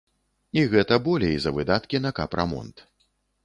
І гэта болей за выдаткі на капрамонт.